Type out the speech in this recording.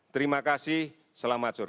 terima kasih selamat sore